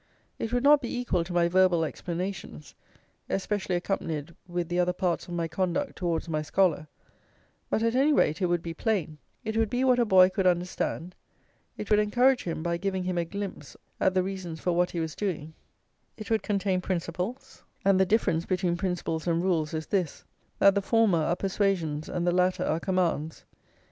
It would not be equal to my verbal explanations, especially accompanied with the other parts of my conduct towards my scholar; but at any rate, it would be plain; it would be what a boy could understand; it would encourage him by giving him a glimpse at the reasons for what he was doing: it would contain principles; and the difference between principles and rules is this, that the former are persuasions and the latter are commands.